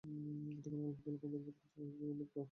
তখন আল্লাহ তার বান্দার প্রতি যা ওহী করবার তা ওহী করলেন।